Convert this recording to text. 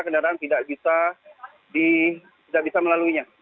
dan tidak bisa melaluinya